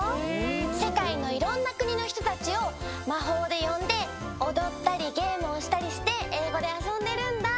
せかいのいろんなくにのひとたちをまほうでよんでおどったりゲームをしたりしてえいごであそんでるんだ。